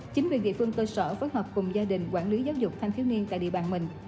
chính vì vị phương tôi sở phối hợp cùng gia đình quản lý giáo dục thanh thiếu niên tại địa bàn mình